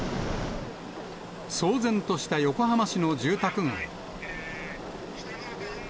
騒然とした横浜市の住宅街。